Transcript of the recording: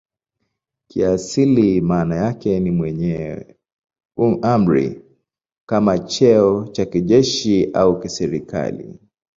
Kiasili maana yake ni "mwenye amri" kama cheo cha kijeshi au kiserikali.